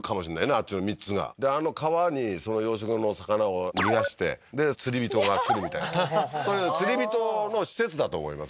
あっちの３つがであの川に養殖の魚を逃がしてで釣り人が来るみたいなはははっそういう釣り人の施設だと思います